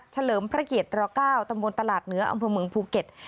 เลิมพระเกียร๙ตำบลตลาดเหนืออำเภอเมืองภูเก็ต